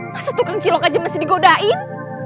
masa tukang cilok aja masih digodain